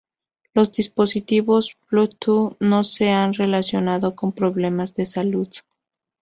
Los dispositivos Bluetooth no se han relacionado con problemas de salud.